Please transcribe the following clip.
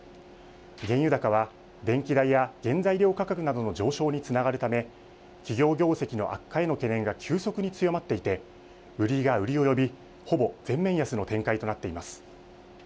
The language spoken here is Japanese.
原油高は電気代や原材料価格などの上昇につながるため企業業績の悪化への懸念が急速に強まっていて売りが売りを呼びほぼ全面安の展開となっています。